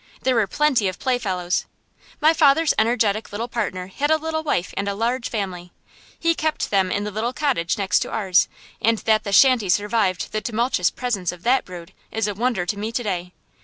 There were plenty of playfellows. My father's energetic little partner had a little wife and a large family. He kept them in the little cottage next to ours; and that the shanty survived the tumultuous presence of that brood is a wonder to me to day.